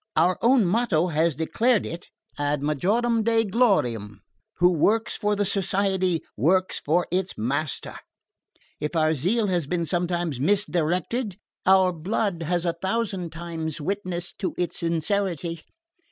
Our own motto has declared it: Ad majorem Dei gloriam who works for the Society works for its Master. If our zeal has been sometimes misdirected, our blood has a thousand times witnessed to its sincerity.